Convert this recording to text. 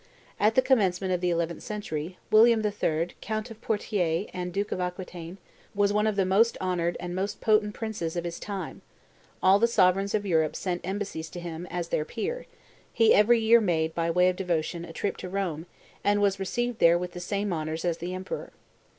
At the commencement of the eleventh century, William III., count of Poitiers and duke of Aquitaine, was one of the most honored and most potent princes of his time; all the sovereigns of Europe sent embassies to him as to their peer; he every year made, by way of devotion, a trip to Rome, and was received there with the same honors as the emperor.